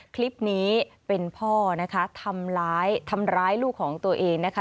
คลิปนี้เป็นพ่อทำร้ายลูกของตัวเองนะคะ